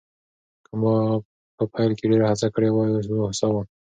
که ما په پیل کې ډېره هڅه کړې وای، اوس به هوسا وم.